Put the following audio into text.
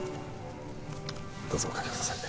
どうぞおかけください